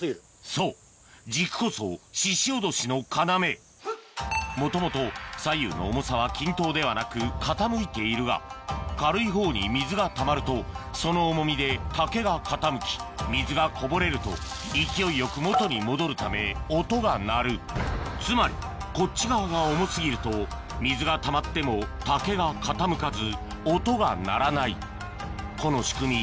そう軸こそししおどしの要もともと左右の重さは均等ではなく傾いているが軽いほうに水がたまるとその重みで竹が傾き水がこぼれるとつまりこっち側が重過ぎると水がたまっても竹が傾かず音が鳴らないこの仕組み